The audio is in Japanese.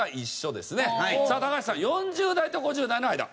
さあ高橋さん４０代と５０代の間。